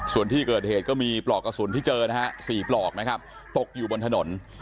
ส่วนที่เกิดเหตุก็มีปลอกกระสุนที่เจอนะฮะ๔ปลอกนะครับตกอยู่บนถนน